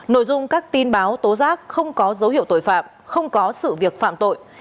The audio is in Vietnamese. nội dung các tin báo tố giác không có dấu hiệu tội phạm không có sự việc phạm tội